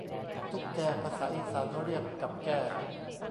ตุ๊กแก ภาษาอีสานเรียกกับแก้